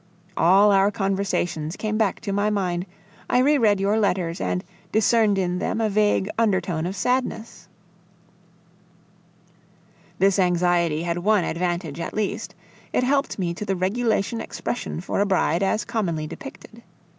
All our conversations came back to my mind, I re read your letters and discerned in them a vague undertone of sadness. This anxiety had one advantage at least; it helped me to the regulation expression for a bride as commonly depicted.